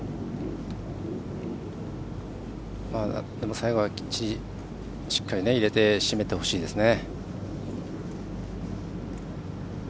最後はきっちりしっかり入れて締めてほしいですね。